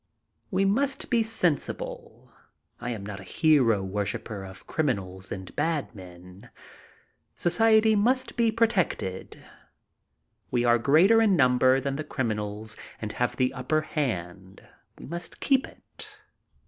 We must be sensible. I am not a hero worshiper of criminals and bad men. Society must be protected. We are greater in number than the criminals and have the upper hand. We must keep it.